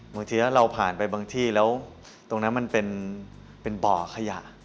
บางทีถ้าเราผ่านไปบางที่แล้วตรงนั้นมันเป็นบ่อขยะ